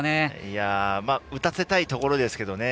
打たせたいところですけれどもね